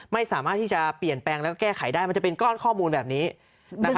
ไม่สามารถที่จะเปลี่ยนแปลงแล้วก็แก้ไขได้มันจะเป็นก้อนข้อมูลแบบนี้